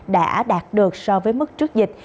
đã đạt được so với mức trước dịch